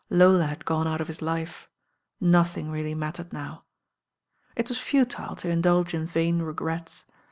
Lola had gone out of his life—nothing really mattered now. It was futile to indulge in vain regrets.